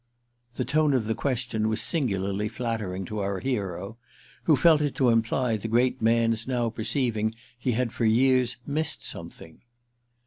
The tone of the question was singularly flattering to our hero, who felt it to imply the great man's now perceiving he had for years missed something.